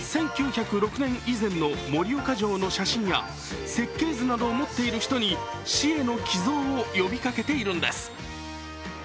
１９０６年以前の盛岡城の写真や設計図などを持っている人に市への寄贈を呼びかけているんです。